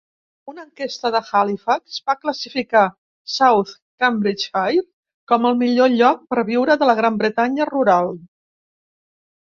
Una enquesta de Halifax va classificar South Cambridgeshire com el millor lloc per viure de la Gran Bretanya rural.